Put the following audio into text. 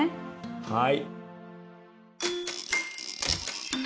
はい。